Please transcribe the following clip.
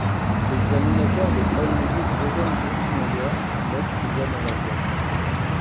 L'examinateur de AllMusic Jason Birchmeier note qu'il y a dans l'album.